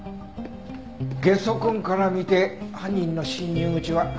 ゲソ痕から見て犯人の侵入口は勝手口だね。